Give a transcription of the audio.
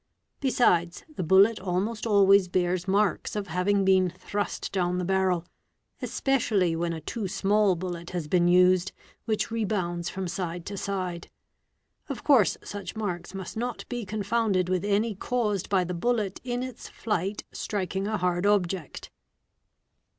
Besides, the bullet almost (~ always bears marks of. having been thrust down the barrel, especially : when a too small bullet has been used which rebounds from side to side. — Of course such marks must not be confounded with any caused by the — bullet in its flight striking a hard object.